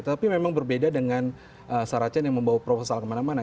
tapi memang berbeda dengan saracen yang membawa proposal kemana mana